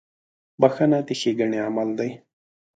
• بخښنه د ښېګڼې عمل دی.